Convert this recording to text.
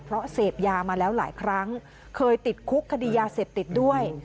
เพราะเสพยามาแล้วหลายครั้งเคยติดคุกคดียาเสพติดด้วย